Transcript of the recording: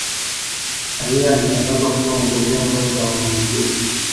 samia alitangazwa kuwa mgombea mwenza wa magufuli